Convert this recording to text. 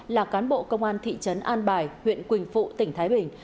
là cán bộ công an thị trấn an bài huyện quỳnh phụ tỉnh thái bình